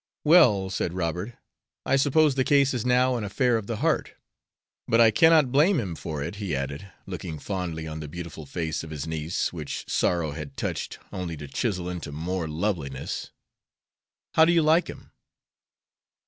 "Well," said Robert, "I suppose the case is now an affair of the heart. But I cannot blame him for it," he added, looking fondly on the beautiful face of his niece, which sorrow had touched only to chisel into more loveliness. "How do you like him?"